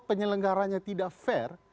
penyelenggaranya tidak fair